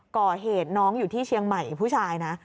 ก่อเหตุน้องอยู่ที่เชียงใหม่ผู้ชายนะ